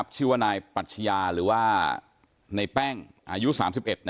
ชื่อว่านายปัจฉีาหรือว่าในแป้งอายุสามสิบเอ็ด